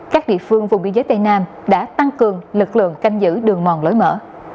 các địa phương vùng biên giới tây nam đã tăng cường lực lượng canh giữ đường mòn lối mở